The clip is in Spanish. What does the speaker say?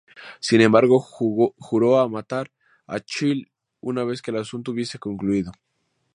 Sin embargo, juró matar a Chill una vez que el asunto hubiese concluido.